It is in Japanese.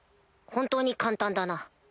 本当に簡単だな。